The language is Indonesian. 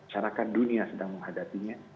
carakan dunia sedang menghadapinya